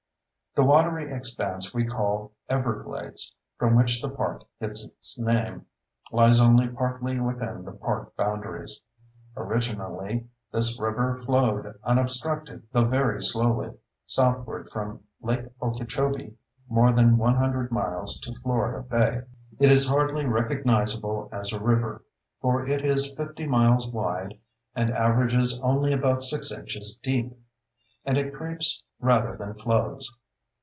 The watery expanse we call "everglades," from which the park gets its name, lies only partly within the park boundaries. Originally this river flowed, unobstructed though very slowly, southward from Lake Okeechobee more than 100 miles to Florida Bay. It is hardly recognizable as a river, for it is 50 miles wide and averages only about 6 inches deep, and it creeps rather than flows.